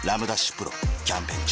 丕劭蓮キャンペーン中